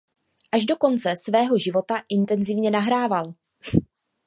Až do konce svého života intenzivně nahrával.